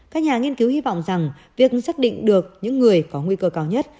các nhà nghiên cứu hy vọng rằng việc xác định được những người có nguy cơ cao nhất